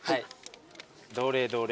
どれどれ。